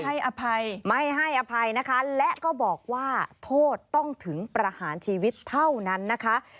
ให้อภัยไม่ให้อภัยนะคะและก็บอกว่าโทษต้องถึงประหารชีวิตเท่านั้นนะคะ